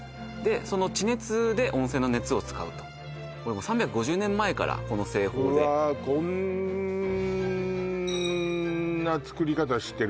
その地熱で温泉の熱を使うとこれもう３５０年前からこの製法でうわこんな作り方してる